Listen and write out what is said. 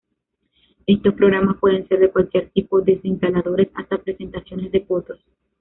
Estos programas pueden ser de cualquier tipo, desde instaladores hasta presentaciones de fotos.